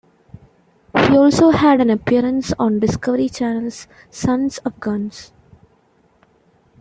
He also had an appearance on Discovery Channel's "Sons of Guns".